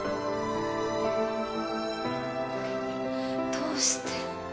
どうして！？